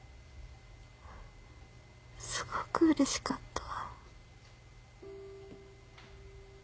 すごくうれしかった。